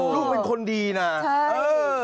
ลูกเป็นคนดีนะเออ